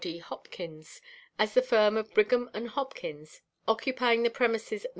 D. Hopkins, as the firm of Brigham & Hopkins, occupying the premises No.